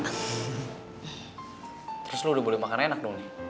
maaf ya tante reber cana kena